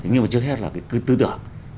nhưng mà trước hết là cái tư tưởng